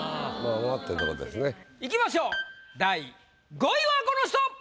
・えぇ・いきましょう第５位はこの人！